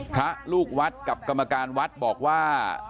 พระลูกวัดกับกรรมการวัดบอกว่า